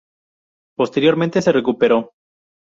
Posteriormente se recuperó.